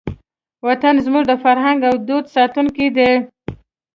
وطن زموږ د فرهنګ او دود ساتونکی دی.